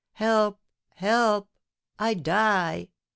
Help, help! I die!"